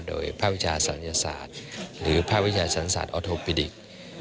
โดยภาพวิจารณ์ศาสตร์หรือภาพวิจารณ์ศาสตร์อทโภปิดิก